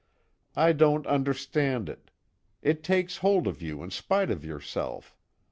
I don't understand it: it takes hold of you in spite of yourself.